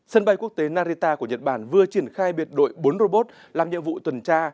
sân bay quốc tế narita của nhật bản vừa triển khai biệt đội bốn robot làm nhiệm vụ tuần tra